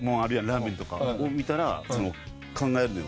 ラーメンとかを見たら考えるのよ。